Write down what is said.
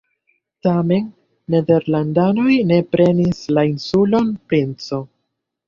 Tamen nederlandanoj ne prenis la insulon Princo.